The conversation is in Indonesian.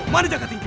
mana jaka tinggi